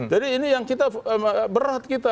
jadi ini yang kita berat kita